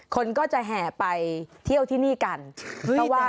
คนก็จะแห่ไปเที่ยวที่นี่กันเพราะว่า